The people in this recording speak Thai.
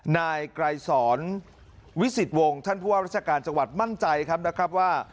นายไกรสอนวิสิตวงศ์ท่านผู้ว่าราชการจังหวัดมั่นใจครับนะครับว่า